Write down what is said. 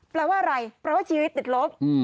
แปลว่าอะไรแปลว่าชีวิตติดลบ